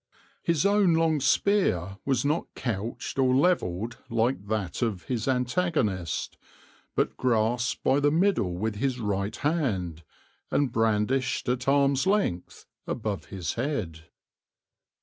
His own long spear was not couched or levelled like that of his antagonist, but grasped by the middle with his right hand, and brandished at arm's length above his head.